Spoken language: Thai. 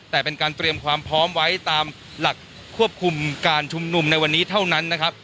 แต่เป็นการเตรียมความพร้อมไว้ตามหลักควบคุมการชุมนุมในวันนี้เท่านั้นนะครับ